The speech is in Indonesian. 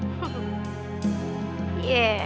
berhasil juga jebakan gue